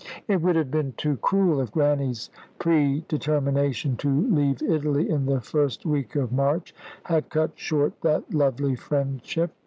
It would have been too cruel if Grannie's predetermination to leave Italy in the first week of March had cut short that lovely friendship.